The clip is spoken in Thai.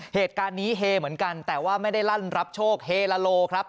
เหตุการณ์นี้เฮเหมือนกันแต่ว่าไม่ได้ลั่นรับโชคเฮลาโลครับ